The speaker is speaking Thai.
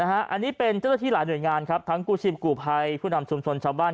อันนี้เป็นเจ้าหน้าที่หลายหน่วยงานครับทั้งกู้ชีพกู้ภัยผู้นำชุมชนชาวบ้าน